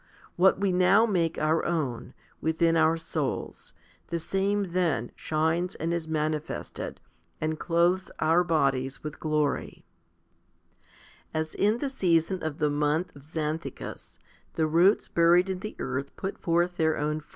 What we now make our own, within our souls, the same then shines and is manifested, and clothes our bodies with glory. 14. As in the season of the month of Xanthicus, 4 the roots buried in the earth put forth their own fruits, and 1 Ex.